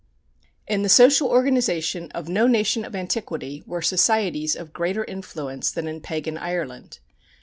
_. In the social organization of no nation of antiquity were societies of greater influence than in pagan Ireland.